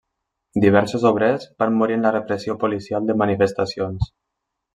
Diversos obrers van morir en la repressió policial de manifestacions.